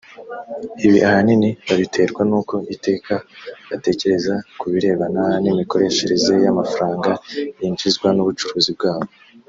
ibi ahanini babiterwa n’uko iteka batekereza ku birebana n’imikoreshereze y’amafaranga yinjizwa n’ubucuruzi bwabo